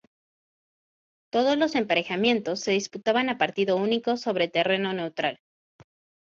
Todos los emparejamientos se disputaban a partido único sobre terreno neutral.